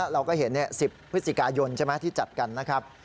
เราก็เห็น๑๐พฤศกายนที่จัดการนะครับ